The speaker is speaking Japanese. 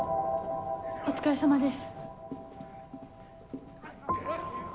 お疲れさまです。